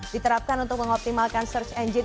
diterapkan untuk mengoptimalkan search engine